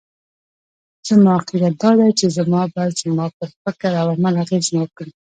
زما عقيده دا ده چې دا به زما پر فکراو عمل اغېز وکړي.